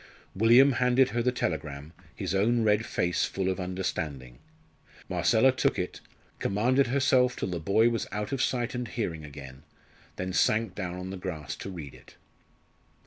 William handed her the telegram, his own red face full of understanding. Marcella took it, commanded herself till the boy was out of sight and hearing again, then sank down on the grass to read it.